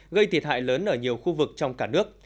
gây thiệt hại lớn ở nhiều khu vực trong cả nước